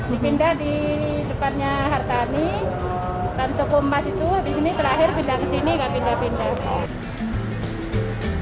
dipindah di depannya hartani karnto kompas itu habis ini terakhir pindah ke sini nggak pindah pindah